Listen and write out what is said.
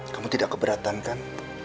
kamu tidak keberatan kan